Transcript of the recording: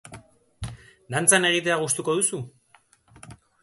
Dantzan egitea gustuko duzu?